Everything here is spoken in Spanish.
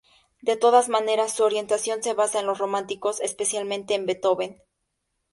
De todas maneras su orientación se basa en los románticos, especialmente Beethoven.